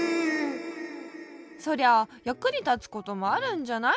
そりゃあやくにたつこともあるんじゃない？